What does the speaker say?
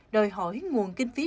đòi hỏi nguồn kinh phí rừng